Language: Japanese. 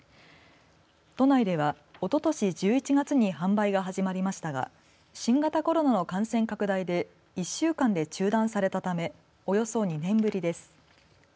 都内では、おととし１１月に販売が始まりましたが新型コロナの感染拡大で１週間で中断されたためおよそ２年ぶりです。